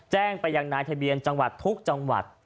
แจ้งไปยังนายทะเบียนจังหวัดทุกจังหวัด